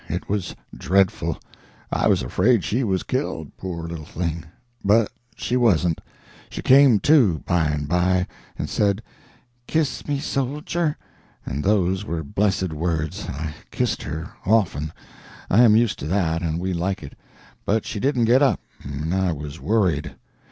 It was dreadful. I was afraid she was killed, poor little thing! But she wasn't. She came to, by and by, and said, 'Kiss me, Soldier,' and those were blessed words. I kissed her—often; I am used to that, and we like it. But she didn't get up, and I was worried.